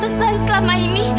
pantesan selama ini